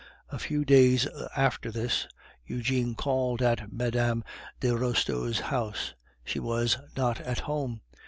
A few days after this Eugene called at Mme. de Restaud's house; she was not at home.